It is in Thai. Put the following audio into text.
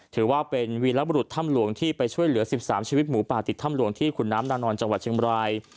ถือว่าเป็นวีรบรุษถ้ำหลวงที่ไปช่วยเหลือ๑๓ชีวิตหมูป่าติดถ้ำหลวงที่ขุนน้ำนางนอนจังหวัดเชียงบราย